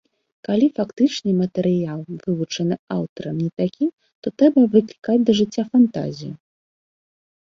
Калі фактычны матэрыял, вывучаны аўтарам, не такі, то трэба выклікаць да жыцця фантазію.